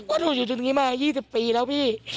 ก็หนูอยู่ตรงนี้มา๒๐ปีแล้วพี่